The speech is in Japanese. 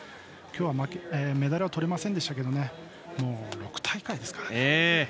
きょうはメダルはとれませんでしたが６大会ですからね。